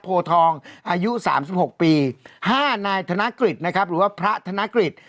โพทองอายุ๓๖ปี๕นายธนกฤษนะครับหรือว่าพระธนกฤษ